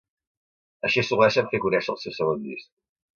Així assoleixen fer conèixer el seu segon disc.